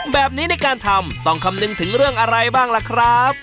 แบบนี้ในการทำต้องคำนึงถึงเรื่องอะไรบ้างล่ะครับ